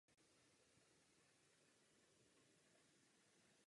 Přes Ptačinec též vede hlavní evropské rozvodí mezi Baltským mořem a Severním mořem.